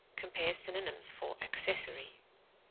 (Compare synonyms for ACCESSORY.)